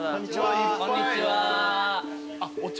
こんにちは。